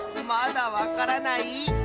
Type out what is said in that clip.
まだわからない？